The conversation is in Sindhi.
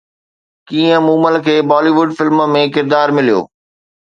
ڪيئن مومل کي بالي ووڊ فلم ۾ ڪردار مليو